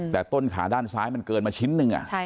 แต่ต้นขาด้านซ้ายมันเกินมาชิ้นหนึ่ง